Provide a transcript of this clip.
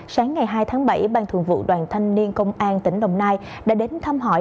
sáng ngày hai tháng bảy ban thường vụ đoàn thanh niên công an tỉnh đồng nai đã đến thăm hỏi